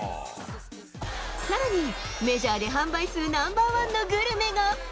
さらに、メジャーで販売数ナンバー１のグルメが。